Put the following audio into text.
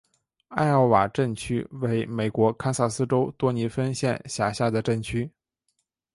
艾奥瓦镇区为美国堪萨斯州多尼芬县辖下的镇区。